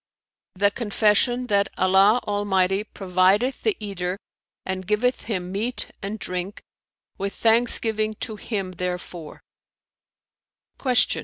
"The confession that Allah Almighty provideth the eater and giveth him meat and drink, with thanksgiving to Him therefor."